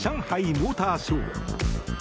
モーターショー。